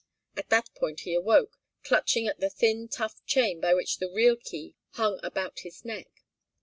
At that point he awoke, clutching at the thin, tough chain by which the real key hung about his neck.